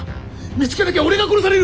見つけなきゃ俺が殺される！